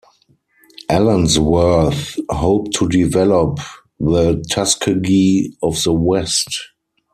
Allensworth hoped to develop the "Tuskegee of the West".